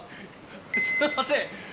すいません